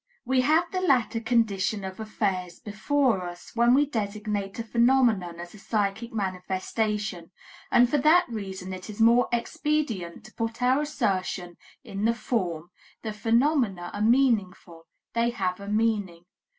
We have the latter condition of affairs before us when we designate a phenomenon as a psychic manifestation, and for that reason it is more expedient to put our assertion in this form: the phenomena are meaningful; they have a meaning.